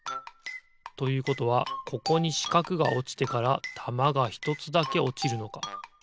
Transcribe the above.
ということはここにしかくがおちてからたまがひとつだけおちるのか。